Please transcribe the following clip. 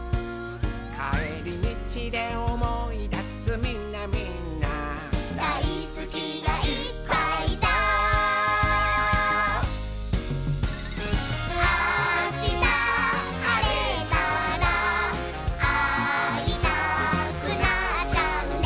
「かえりみちでおもいだすみんなみんな」「だいすきがいっぱいだ」「あしたはれたらあいたくなっちゃうね」